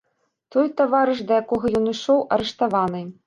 Той таварыш, да якога ён ішоў, арыштаваны.